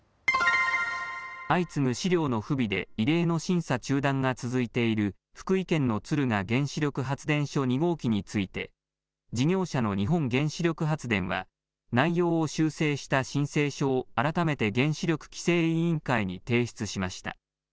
相次ぐ資料の不備で異例の審査中断が続いている福井県の敦賀原子力発電所２号機について事業者の日本原子力発電は内容を修正した申請書を改めて原子力規制委員会に提出しました。